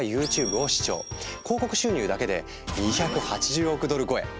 広告収入だけで２８０億ドル超え！